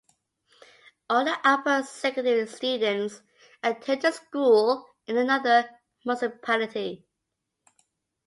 All the upper secondary students attended school in another municipality.